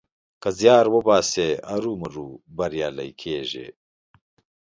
که زيار وباسې؛ هرو مرو بريالی کېږې.